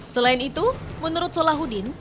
selain itu menurut solahudin